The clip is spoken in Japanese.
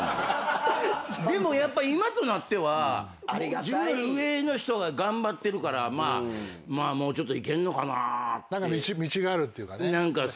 でもやっぱ今となっては自分より上の人が頑張ってるからもうちょっといけんのかなって。